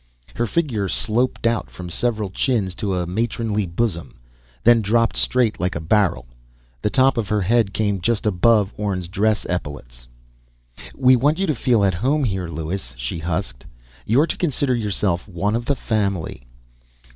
Her figure sloped out from several chins to a matronly bosom, then dropped straight like a barrel. The top of her head came just above Orne's dress epaulets. "We want you to feel at home here, Lewis," she husked. "You're to consider yourself one of the family."